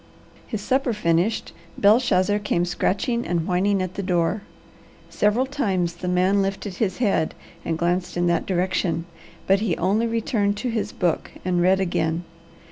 His supper finished, Belshazzar came scratching and whining at the door. Several times the man lifted his head and glanced in that direction, but he only returned to his book and read again.